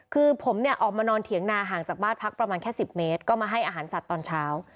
คือผมเนี่ยออกมานอนเถียงนาห่างจากบ้านพักประมาณแค่๑๐เมตรก็มาให้อาหารสัตว์ตอนเช้า